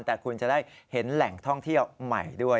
แต่คุณจะได้เห็นแหล่งท่องเที่ยวใหม่ด้วย